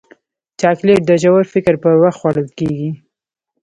چاکلېټ د ژور فکر پر وخت خوړل کېږي.